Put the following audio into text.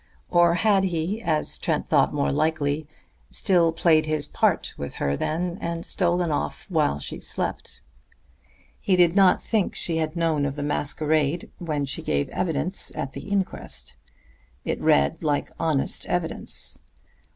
Or had he, as Trent thought more likely, still played his part with her then, and stolen off while she slept? He did not think she had known of the masquerade when she gave evidence at the inquest; it read like honest evidence.